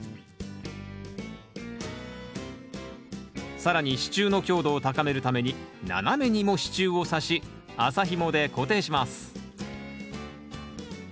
更に支柱の強度を高めるために斜めにも支柱をさし麻ひもで固定します